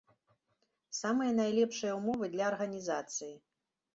Самыя найлепшыя ўмовы для арганізацыі.